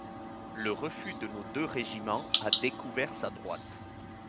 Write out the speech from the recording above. Le refus de nos deux régiments a découvert sa droite.